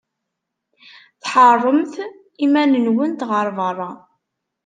Tḥeṛṛemt iman-nwent ɣer beṛṛa.